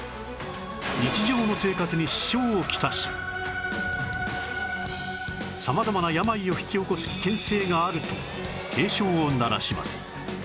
日常の生活に支障を来し様々な病を引き起こす危険性があると警鐘を鳴らします